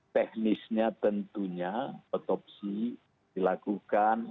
teknisnya tentunya autopsi dilakukan